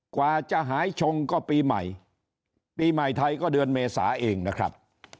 กว่าจะหายชงก็ปีใหม่ปีใหม่ไทยก็เดือนเมษาเองนะครับ